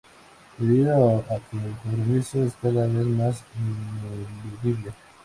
Debido a que el compromiso es cada vez más ineludible.